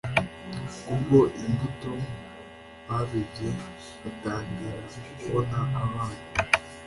kubwo imbuto babibye Batangira kubona abana